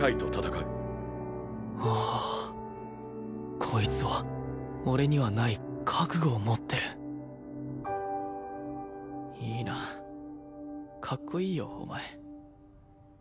ああこいつは俺にはない覚悟を持ってるいいなかっこいいよお前。